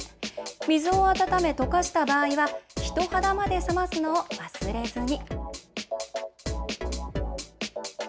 水を温め溶かした場合は人肌まで冷ますのを忘れずに。